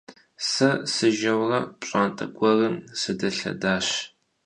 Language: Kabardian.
Сэ сыжэурэ пщӏантӏэ гуэрым сыдэлъэдащ.